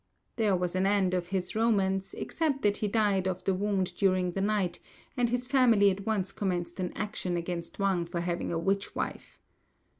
There was an end of his romance, except that he died of the wound during the night, and his family at once commenced an action against Wang for having a witch wife.